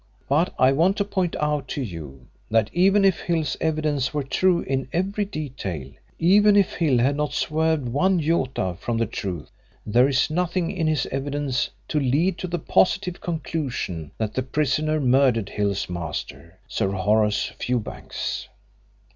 But I want to point out to you that even if Hill's evidence were true in every detail, even if Hill had not swerved one iota from the truth, there is nothing in his evidence to lead to the positive conclusion that the prisoner murdered Hill's master, Sir Horace Fewbanks.